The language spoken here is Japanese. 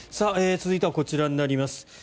続いてはこちらになります。